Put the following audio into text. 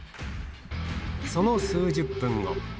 その数十分後。